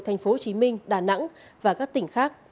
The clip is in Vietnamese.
thành phố hồ chí minh đà nẵng và các tỉnh khác